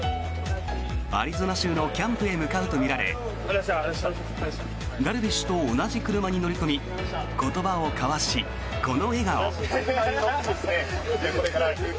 アリゾナ州のキャンプへ向かうとみられダルビッシュと同じ車に乗り込み言葉を交わし、この笑顔。